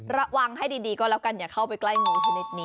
ระวังให้ดีก็แล้วกันอย่าเข้าไปใกล้งูชนิดนี้